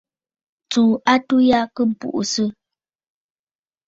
Tsuu atû ya kɨ buʼusə.